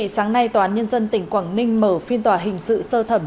sáng nay tòa án nhân dân tỉnh quảng ninh mở phiên tòa hình sự sơ thẩm